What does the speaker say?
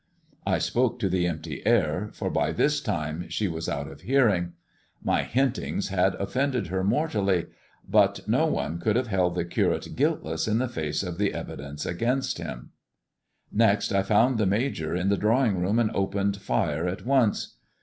I spoke to the empty air, for by thia time she was out of hearing, My hintings had offended her mortally, but m^^ " I spoke to the empty air." no one could hare held the Curate guiltlees in the face of the evidence against him, Next I found the Major in the drawing room, and opened fire at once.